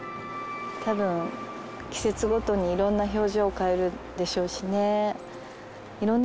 多分季節ごとにいろんな表情を変えるでしょうしね。